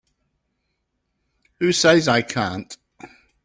Who says I can't?